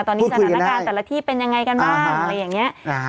ตอนนี้สถานการณ์แต่ละที่เป็นยังไงกันบ้างอะไรอย่างนี้